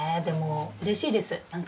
でもうれしいです。